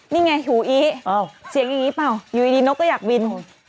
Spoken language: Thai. นี่ไงฮูอี้สิงอย่างงี้เบาอยู่ดิก็เนี่ยก็ยากวิน